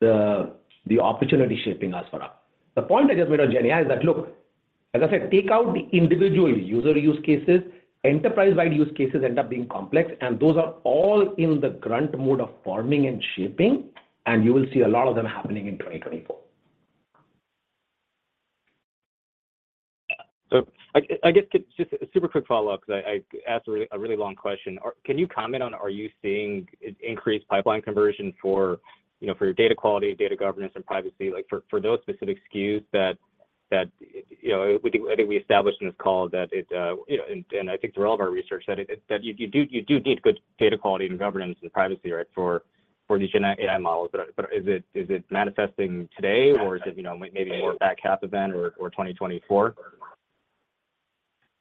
the opportunity shaping us for up. The point I just made on GenAI is that, look, as I said, take out the individual user use cases. Enterprise-wide use cases end up being complex, and those are all in the current mode of forming and shaping, and you will see a lot of them happening in 2024. I, I guess just a super quick follow-up because I, I asked a really, a really long question. Can you comment on, are you seeing increased pipeline conversion for, you know, for your data quality, data governance, and privacy? Like, for, for those specific SKUs that, that, you know, I think we established in this call that it, you know, and, and I think through all of our research, that it-- that you, you do, you do need good data quality and governance and privacy, right? For, for these GenAI, AI models. But, is it, is it manifesting today, or is it, you know, maybe a more back half event or, or 2024?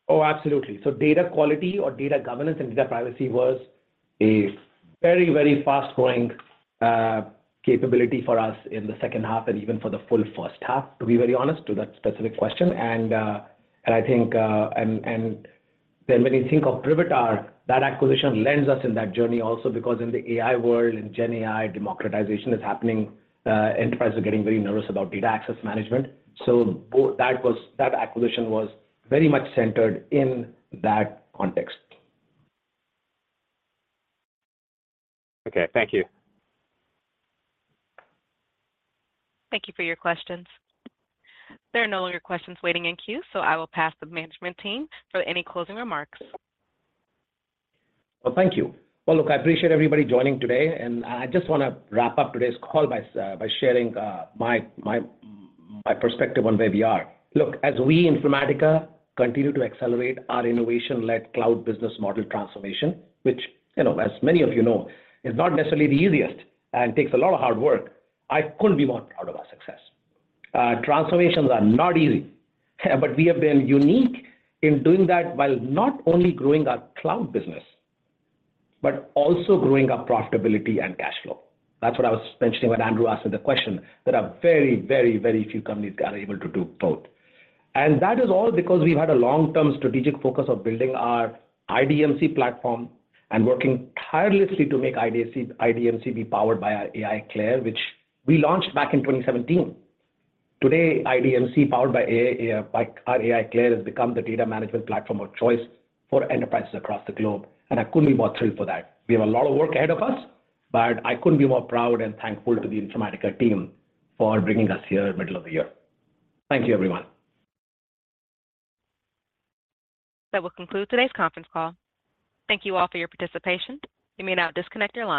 Oh, absolutely. Data quality or data governance and data privacy was a very, very fast-growing, capability for us in the second half and even for the full first half, to be very honest to that specific question. I think, and, and then when you think of Privitar, that acquisition lends us in that journey also because in the AI world, in GenAI, democratization is happening. Enterprises are getting very nervous about data access management. That was, that acquisition was very much centered in that context. Okay, thank you. Thank you for your questions. There are no longer questions waiting in queue, so I will pass the management team for any closing remarks. Well, thank you. Well, look, I appreciate everybody joining today, and I just wanna wrap up today's call by, by sharing, my, my, my perspective on where we are. Look, as we in Informatica continue to accelerate our innovation-led cloud business model transformation, which, you know, as many of you know, is not necessarily the easiest and takes a lot of hard work, I couldn't be more proud of our success. Transformations are not easy, but we have been unique in doing that while not only growing our cloud business, but also growing our profitability and cash flow. That's what I was mentioning when Andrew asked the question, that are very, very, very few companies are able to do both. That is all because we've had a long-term strategic focus on building our IDMC platform and working tirelessly to make IDC, IDMC be powered by our AI CLAIRE, which we launched back in 2017. Today, IDMC, powered by AI, by our AI CLAIRE, has become the data management platform of choice for enterprises across the globe. I couldn't be more thrilled for that. We have a lot of work ahead of us. I couldn't be more proud and thankful to the Informatica team for bringing us here middle of the year. Thank you, everyone. That will conclude today's conference call. Thank you all for your participation. You may now disconnect your lines.